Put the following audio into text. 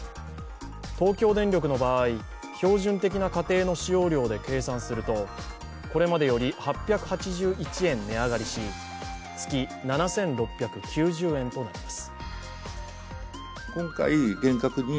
東京電力の場合、標準的な家庭の使用量で計算するとこれまでより８８１円値上がりし、月７６９０円となります。